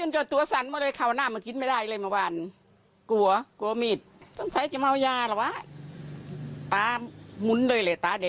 ยายบอกอย่างนี้มันก็ไม่หยุด